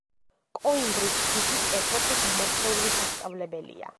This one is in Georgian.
კოიმბრის ჯგუფის ერთ-ერთი გამორჩეული სასწავლებელია.